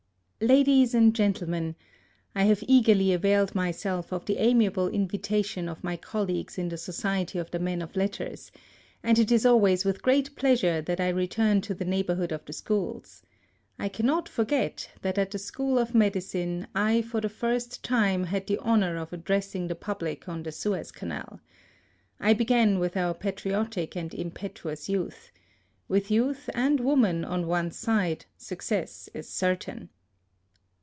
Ladies and Gentlemen, — I HAVE eagerly availed myself of the amiable invitation of my colleagues in the Society of the Men of Letters ; and it is always with great pleasure that I return to the neighbourhood of the schools. I cannot forget that at the School of Medicine I for the first time had the honour of addressing the public on the Suez Canal. I began with our patriotic and impetuous youth ; A 2 HISTORY OF with youth and woman on one's side, suc cess is certain.